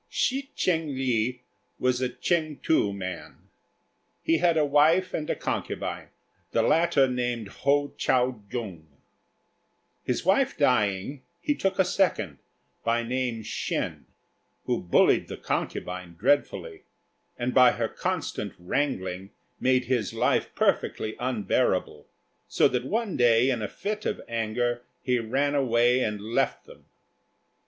Hsi Ch'êng lieh was a Ch'êng tu man. He had a wife and a concubine, the latter named Ho Chao jung. His wife dying, he took a second by name Shên, who bullied the concubine dreadfully, and by her constant wrangling made his life perfectly unbearable, so that one day in a fit of anger he ran away and left them.